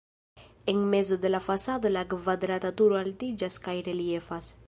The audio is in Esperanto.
En mezo de la fasado la kvadrata turo altiĝas kaj reliefas.